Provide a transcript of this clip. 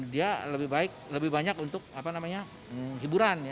dia lebih baik lebih banyak untuk hiburan